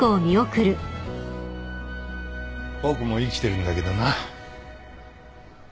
僕も生きてるんだけどな。